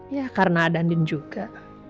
ya karena ada andi juga